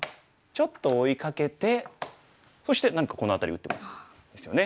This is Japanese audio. ちょっと追いかけてそして何かこの辺り打ってもいいですよね。